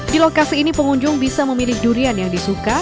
di lokasi ini pengunjung bisa memilih durian yang disuka